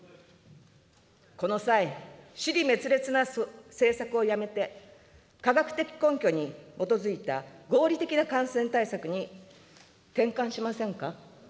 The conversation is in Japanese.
この際、支離滅裂な政策をやめて、科学的根拠に基づいた合理的な感染対策に転換しませんか。